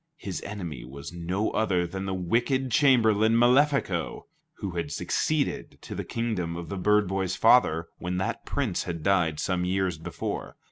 His enemy was no other than the wicked chamberlain Malefico, who had succeeded to the kingdom of the bird boy's father, when that Prince had died some years before.